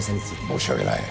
申し訳ない。